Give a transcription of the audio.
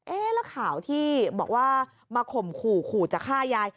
แล้วข่าวที่บอกว่ามาข่มขู่ขู่จะฆ่ายาย